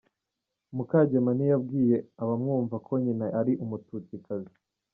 Mukamugema ntiyabwiye abamwumva ko nyina ari Umututsikazi.